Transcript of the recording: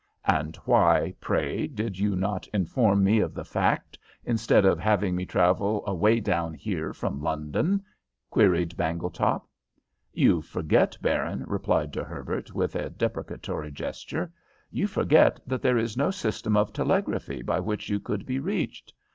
"And why, pray, did you not inform me of the fact, instead of having me travel away down here from London?" queried Bangletop. "You forget, Baron," replied De Herbert, with a deprecatory gesture "you forget that there is no system of telegraphy by which you could be reached.